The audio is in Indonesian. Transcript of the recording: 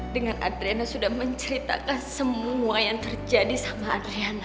dengan adriana sudah menceritakan semua yang terjadi sama adriana